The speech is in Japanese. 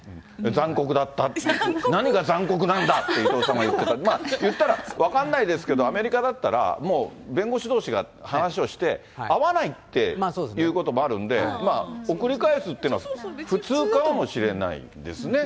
残酷だった、何が残酷なんだって、伊藤さんが言ってた、いったら分かんないですけど、アメリカだったら、もう弁護士どうしが話をして、会わないっていうこともあるんで、まあ、送り返すっていうのは普通かもしれないですね。